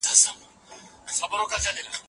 پدغو څلورو قولونو کي ډير صحيح ئې دوهم قول دی.